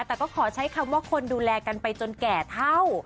แต่ก็ขอใช้คำว่าคนดูแลกันไปจนแก่เท่า